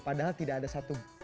padahal tidak ada sebagian